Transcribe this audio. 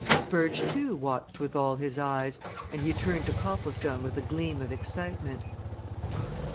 Spurge, too, watched with all his eyes, and he turned to Copplestone with a gleam of excitement.